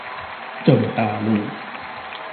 正大路